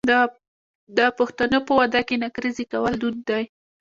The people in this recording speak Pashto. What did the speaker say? د پښتنو په واده کې نکریزې کول دود دی.